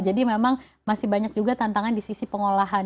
jadi memang masih banyak juga tantangan di sisi pengolahan